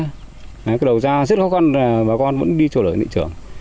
đấy cái đầu ra rất khó khăn là bà con vẫn đi chỗ lợi thị trường